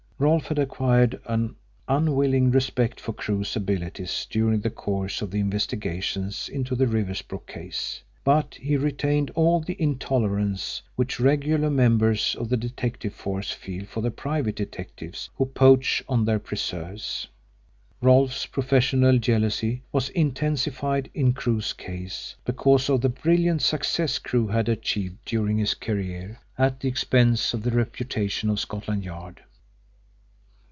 Rolfe had acquired an unwilling respect for Crewe's abilities during the course of the investigations into the Riversbrook case, but he retained all the intolerance which regular members of the detective force feel for the private detectives who poach on their preserves. Rolfe's professional jealousy was intensified in Crewe's case because of the brilliant successes Crewe had achieved during his career at the expense of the reputation of Scotland Yard.